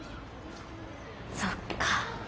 そっか。